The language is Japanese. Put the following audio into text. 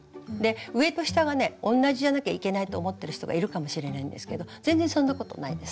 上と下がね同じじゃなきゃいけないと思ってる人がいるかもしれないんですけど全然そんなことないです。